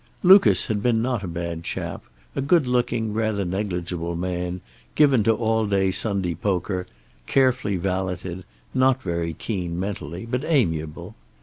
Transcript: Lucas had been not a bad chap, a good looking, rather negligible man, given to all day Sunday poker, carefully valeted, not very keen mentally, but amiable.